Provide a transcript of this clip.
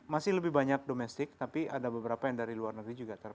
jadi lebih banyak domestic tapi ada beberapa yang dari luar negeri juga masuk